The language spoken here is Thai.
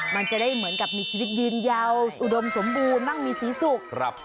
มันจะได้เหมือนกับมีชีวิตยืนยาวอุดมสมบูรณ์มั่งมีสีสุข